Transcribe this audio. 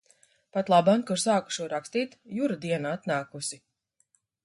Patlaban, kur sāku šo rakstīt, Jura diena atnākusi.